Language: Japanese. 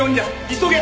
急げ！